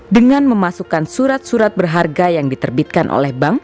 dengan memasukkan surat surat berharga yang diterbitkan oleh bank